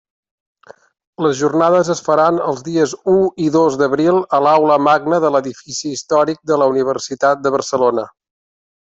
Les Jornades es faran els dies u i dos d'abril a l'Aula Magna de l'Edifici Històric de la Universitat de Barcelona.